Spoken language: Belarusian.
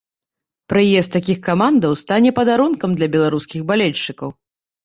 Прыезд такіх камандаў стане падарункам для беларускіх балельшчыкаў.